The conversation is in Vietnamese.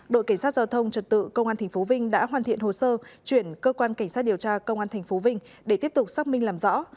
đội cảnh sát giao thông trật tự công an tp vinh đã hoàn thiện hồ sơ chuyển cơ quan cảnh sát điều tra công an tp vinh để tiếp tục xác minh làm rõ